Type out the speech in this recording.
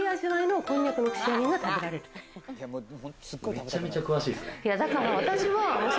めちゃめちゃ詳しいですね。